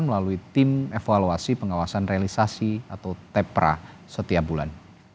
melalui tim evaluasi pengawasan realisasi atau tepra setiap bulan